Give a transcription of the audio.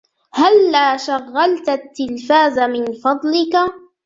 هلا شغلت التلفاز من فضلك ؟